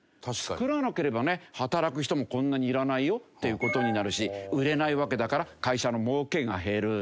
作らなければね働く人もこんなにいらないよっていう事になるし売れないわけだから会社の儲けが減る。